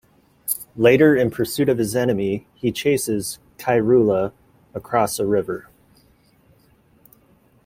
Later in pursuit of his enemy, he chases Khairulla across a river.